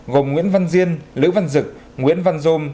gồm nguyễn văn diên lữ văn dực nguyễn văn dôm